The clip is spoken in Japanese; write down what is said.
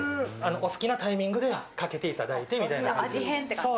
お好きなタイミングでかけていただいてみたいな感じで。